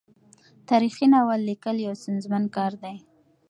تاریخي ناول لیکل یو ستونزمن کار دی.